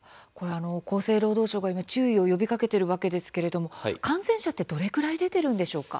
厚生労働省が注意を呼びかけているんですが感染者ってどれくらい出ているんでしょうか。